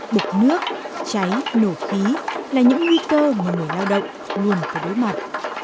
đực nước cháy nổ khí là những nguy cơ mà người lao động luôn phải đối mặt